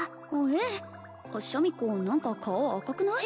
ええシャミ子何か顔赤くない？